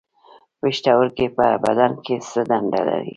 پښتورګي په بدن کې څه دنده لري